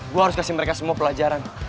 gue harus kasih mereka semua pelajaran